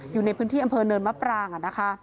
อยู่ในพื้นที่อำเภอเนินมะปรางนะคะ